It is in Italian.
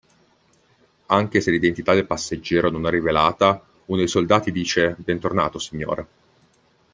Anche se l'identità del passeggero non è rivelata, uno dei soldati dice: "Bentornato, signore".